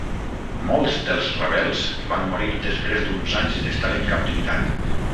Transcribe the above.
Molts dels rebels van morir després d'uns anys d'estar en captivitat.